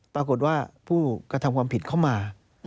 ปรากฏว่าผู้กระทำความผิดเข้ามา